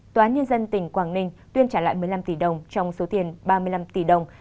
tòa án nhân dân tỉnh quảng ninh tuyên trả lại một mươi năm tỷ đồng trong số tiền ba mươi năm tỷ đồng